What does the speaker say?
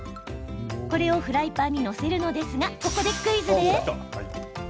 これをフライパンに載せるのですがここでクイズです。